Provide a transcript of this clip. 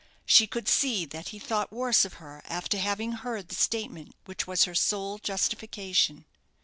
She could see that he thought worse of her after having heard the statement which was her sole justification.